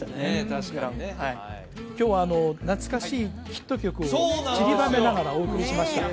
確かにね今日は懐かしいヒット曲をちりばめながらお送りしました